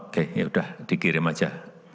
oke yaudah dikirim saja